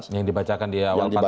yang dibacakan dia awal pansus